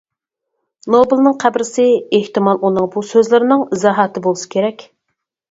نوبېلنىڭ قەبرىسى ئېھتىمال ئۇنىڭ بۇ سۆزلىرىنىڭ ئىزاھاتى بولسا كېرەك.